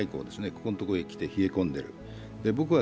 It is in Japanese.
ここんところに来て冷え込んでいる。